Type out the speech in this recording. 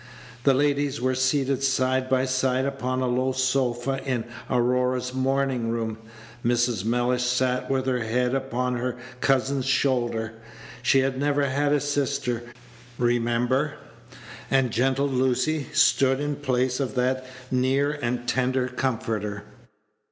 The ladies were seated side by side upon a low sofa in Aurora's morning room. Mrs. Mellish sat with her head upon her cousin's shoulder. She had never had a sister, remember, and gentle Lucy stood in place of that near and tender comforter.